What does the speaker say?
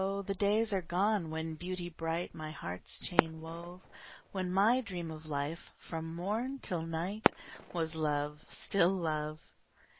the days are gone, when Beauty bright My heart's chain wove; When my dream of life, from morn till night, Was love, still love.